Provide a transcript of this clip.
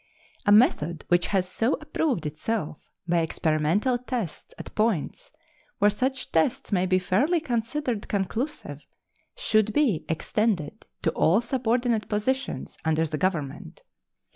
A method which has so approved itself by experimental tests at points where such tests may be fairly considered conclusive should be extended to all subordinate positions under the Government.